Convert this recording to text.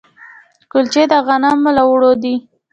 کلچې د غنمو له اوړو دي.